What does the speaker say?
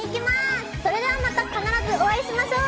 それではまた必ずお会いしましょう。